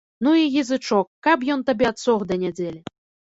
Ну і язычок, каб ён табе адсох да нядзелі.